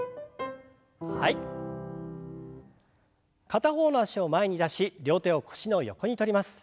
片方の脚を前に出し両手を腰の横に取ります。